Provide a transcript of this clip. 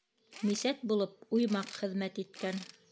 Мисәт булып уймаҡ хеҙмәт иткән.